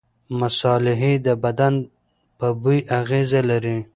مصالحې د بدن په بوی اغېزه لري.